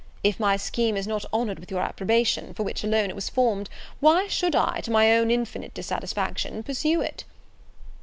If my scheme is not honoured with your approbation, for which alone it was formed, why should I, to my own infinite dissatisfaction, pursue it?"